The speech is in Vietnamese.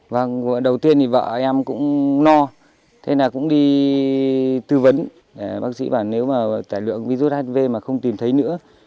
vợ em cũng no thế là cũng đi tư vấn bác sĩ bảo nếu mà tải lượng virus hiv mà không tìm thấy nữa